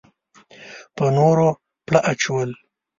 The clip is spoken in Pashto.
په نورو پړه اچول.